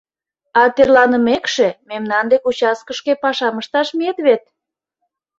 — А тӧрланымекше, мемнан дек участкышке пашам ышташ миет вет?